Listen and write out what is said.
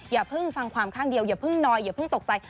อย่าเพิ่งฟังความข้างเดียวอย่าเพิ่งนอยอย่าเพิ่งตกใจ